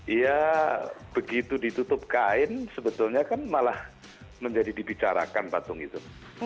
ya begitu ditutup kain sebetulnya kan malah menjadi dibicarakan patung itu